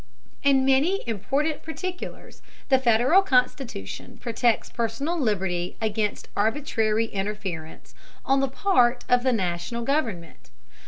In many important particulars the Federal Constitution protects personal liberty against arbitrary interference on the part of the National government.